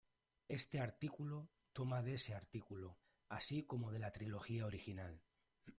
Este artículo toma de ese artículo, así como de la trilogía original.